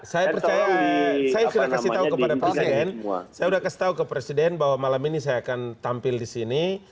saya percaya saya sudah kasih tahu kepada presiden saya sudah kasih tahu ke presiden bahwa malam ini saya akan tampil di sini